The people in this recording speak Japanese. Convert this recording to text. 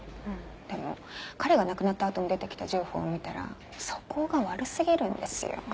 でも彼が亡くなった後に出てきた情報を見たら素行が悪過ぎるんですよ。